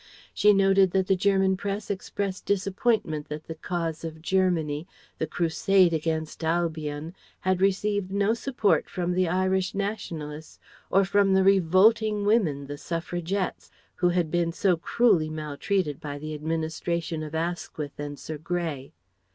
She noted that the German Press expressed disappointment that the cause of Germany, the crusade against Albion, had received no support from the Irish Nationalists, or from the "revolting" women, the Suffragettes, who had been so cruelly maltreated by the administration of Asquith and Sir Grey.